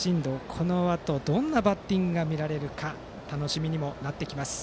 このあと、どんなバッティングが見られるか楽しみにもなってきます。